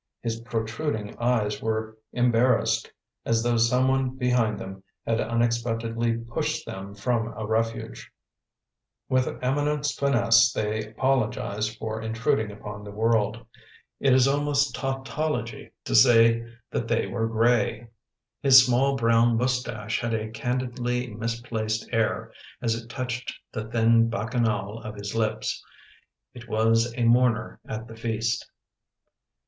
His protruding eyes were embarrassed, as though someone behind them had unexpectedly pushed them from a refuge. With immence finesse they apolo gised for intruding upon the world. It is almost tautology to say that they were gray. His small brown moustache had a candidly misplaced air as it touched the thin bacchanale of his lips. It was a mourner at the feast.